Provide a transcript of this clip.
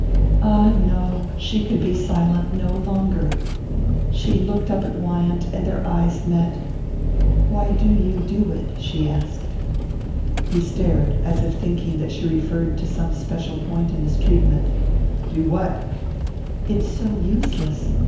Ah, no she could be silent no longer.... She looked up at Wyant, and their eyes met. "Why do you do it?" she asked. He stared, as if thinking that she referred to some special point in his treatment. "Do what?" "It's so useless...